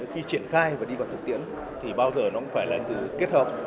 khi triển khai và đi vào thực tiễn thì bao giờ nó cũng phải là sự kết hợp